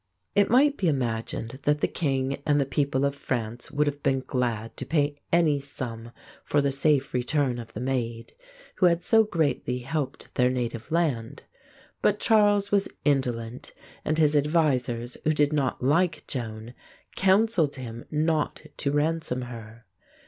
It might be imagined that the king and the people of France would have been glad to pay any sum for the safe return of the Maid, who had so greatly helped their native land. But Charles was indolent, and his advisers, who did not like Joan, counseled him not to ransom her.